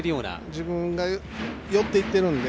自分が寄っているので。